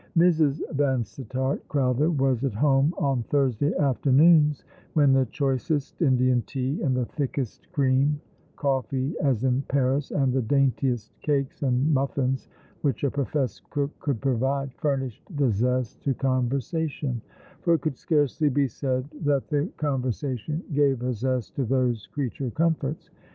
Mrs. Vansittart Crowther was at home on Thursday afternoons, when the choicest Indian tea and the thickest cream, coffee as in Paris, and the daintiest cakes and muflBns which a professed cook could provide, furnished the zest to conversation ; for it could scarcely be said that the con versation gave a zest to those creature comforts.